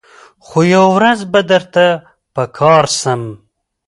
خو یوه ورځ به درته په کار سم